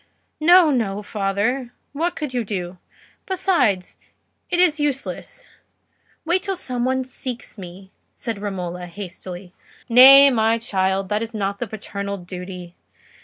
"No, no, father; what could you do? besides, it is useless: wait till some one seeks me," said Romola, hastily. "Nay, my child, that is not the paternal duty.